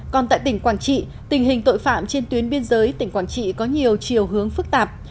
còn tại tỉnh quảng trị tình hình tội phạm trên tuyến biên giới tỉnh quảng trị có nhiều chiều hướng phức tạp